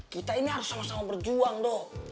kita ini harus sama sama berjuang dong